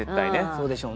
そうでしょうね。